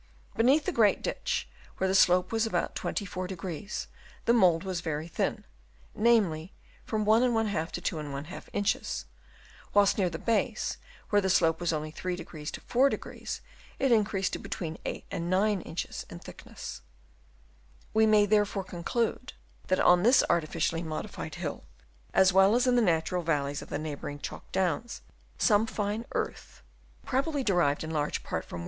Beneath the great ditch, where the slope was about 24°, the mould was very thin, namely, from 1^ to 2| inches; whilst near the base, where the slope was only 3° to 4°, it increased to oetween 8 and 9 inches in thickness. We may therefore conclude that on this artificially modified hill, as well as in the natural valleys of the neighbouring Chalk Downs, some fine earth, probably derived in large part from Chap.